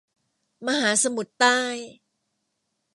มหาสมุทรใต้